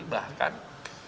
dan menikmati keadaan yang baik